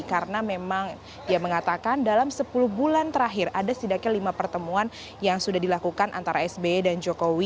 karena memang dia mengatakan dalam sepuluh bulan terakhir ada setidaknya lima pertemuan yang sudah dilakukan antara sbe dan jokowi